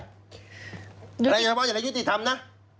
อย่างไรบอกอย่างในยุติธรรมนะ